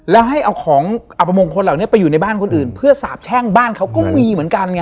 แล้วให้เอาของอัปมงคลเหล่านี้ไปอยู่ในบ้านคนอื่นเพื่อสาบแช่งบ้านเขาก็มีเหมือนกันไง